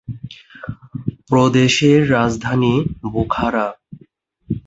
প্রদেশের রাজধানী বুখারা।